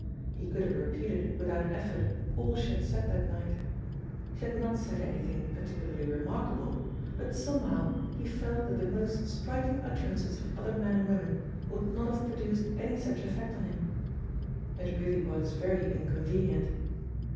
He could have repeated without effort all she had said that night. She had not said anything particularly remarkable, but somehow he felt that the most striking utterances of other men and women would not have produced any such effect on him. It really was very inconvenient.